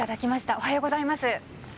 おはようございます。